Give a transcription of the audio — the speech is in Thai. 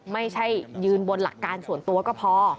ไม่ใช่ยืนบนหลักการส่วนตัวก็พอ